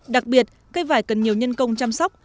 đặc biệt cây vải cần nhiều nhân công chăm sóc